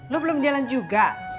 lo belum jalan juga